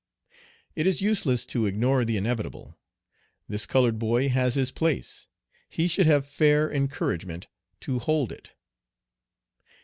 It is useless to ignore the inevitable. This colored boy has his place; he should have fair, encouragement to hold it.